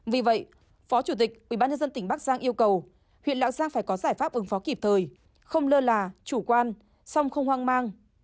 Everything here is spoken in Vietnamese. vì vậy phó chủ tịch ubnd tỉnh bắc giang yêu cầu huyện lạng giang phải có giải pháp ứng phó kịp thời không lơ là chủ quan song không hoang mang